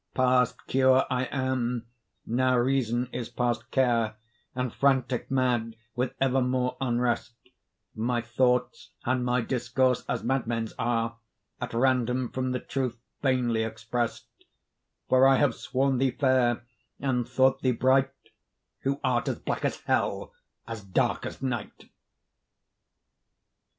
Past cure I am, now Reason is past care, And frantic mad with evermore unrest; My thoughts and my discourse as madmen's are, At random from the truth vainly express'd; For I have sworn thee fair, and thought thee bright, Who art as black as hell, as dark as night.